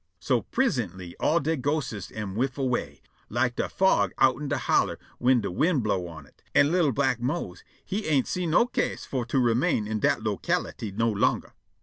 So prisintly all de ghostes am whiff away, like de fog outen de holler whin de wind blow' on it, an' li'l' black Mose he ain' see no ca'se for to remain in dat locality no longer.